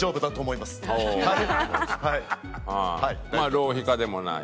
浪費家でもない？